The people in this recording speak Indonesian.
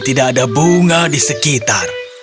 tidak ada bunga di sekitar